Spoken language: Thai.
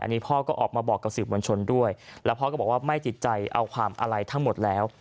อันนี้พ่อก็ออกมาบอกกับสื่อมวลชนด้วยแล้วพ่อก็บอกว่าไม่ติดใจเอาความอะไรทั้งหมดแล้ว